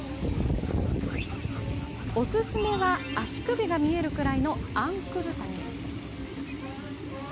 おすすめは足首が見えるくらいのアンクル丈。